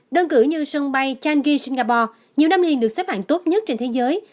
đơn cử như sân bay changi singapore nhiều năm liền được xếp hạng tốt nhất trên thế giới